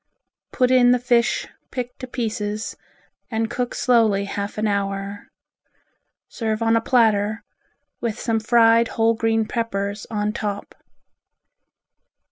Put in the fish picked to pieces and cook slowly half an hour. Serve on a platter, with some fried whole green peppers on top.